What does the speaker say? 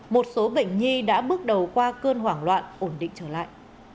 một số bệnh nhi đã bước đầu qua cơn hoảng loạn ổn định trở lại